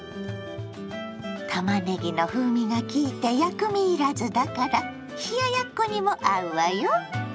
たまねぎの風味が効いて薬味いらずだから冷ややっこにも合うわよ。